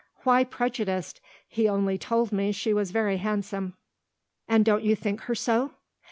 "Why prejudiced? He only told me she was very handsome." "And don't you think her so?"